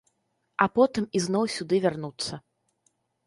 А потым ізноў сюды вярнуцца.